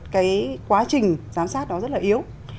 cái quá trình giám sát đó rất là yếu